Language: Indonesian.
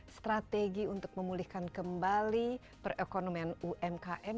strategi untuk memulihkan kembali perekonomian umkm